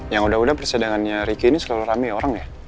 yang udah udah persediaannya ricky ini selalu rame orang ya